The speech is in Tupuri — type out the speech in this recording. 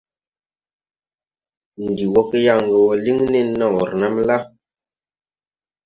Ndi wɔ ge yaŋ ge wɔ liŋ nen naw renam la.